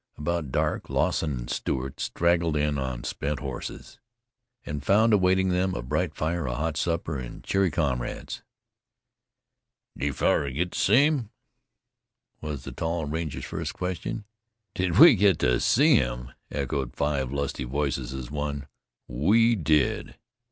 About dawn Lawson and Stewart straggled in on spent horse and found awaiting them a bright fire, a hot supper and cheery comrades. "Did yu fellars git to see him?" was the ranger's first question. "Did we get to see him?" echoed five lusty voice as one. "We did!"